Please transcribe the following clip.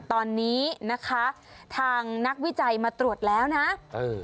ตอนนี้นะคะทางนักวิจัยมาตรวจแล้วนะเออ